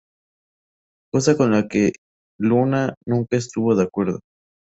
Cosa con la que Luna nunca estuvo de acuerdo.